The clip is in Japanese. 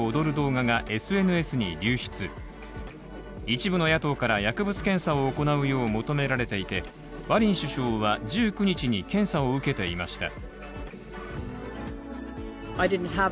一部の野党から薬物検査を行うよう求められていてマリン首相は１９日に検査を受けていました。